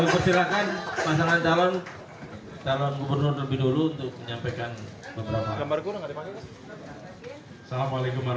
kamu persilahkan pasangan calon calon gubernur lebih dulu untuk menyampaikan beberapa